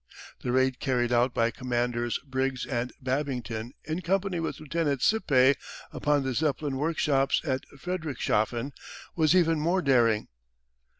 The raid carried out by Commanders Briggs and Babington in company with Lieutenant Sippe upon the Zeppelin workshops at Friedrichshafen was even more daring.